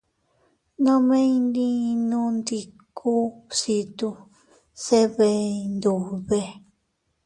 Nome iynninundiku bsitu se bee Iyndube.